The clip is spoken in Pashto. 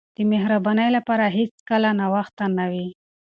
د مهربانۍ لپاره هیڅکله ناوخته نه وي.